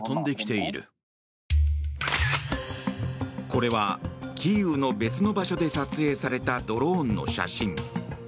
これはキーウの別の場所で撮影されたドローンの写真。